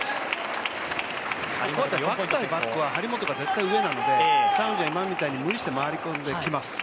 バック対バックは張本が絶対上なので、チャン・ウジンは今みたいに無理して回り込んできます。